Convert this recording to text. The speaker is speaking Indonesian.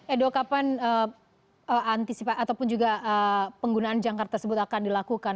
edo kapan antisipasi ataupun juga penggunaan jangkar tersebut akan dilakukan